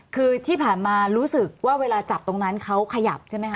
คือที่ผ่านมารู้สึกว่าเวลาจับตรงนั้นเขาขยับใช่ไหมคะ